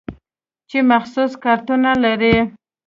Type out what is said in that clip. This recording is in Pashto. چې مخصوص کارتونه لري.